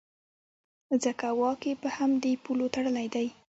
ځکه واک یې په همدې پولو تړلی دی.